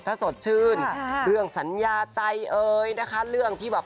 ถ้าสดชื่นเรื่องสัญญาใจเอ่ยนะคะเรื่องที่แบบ